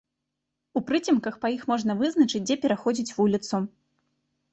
У прыцемках па іх можна вызначыць, дзе пераходзіць вуліцу.